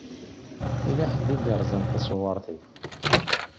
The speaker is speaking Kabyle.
Yella ḥedd i yeṛẓan taṣewaṛt-iw.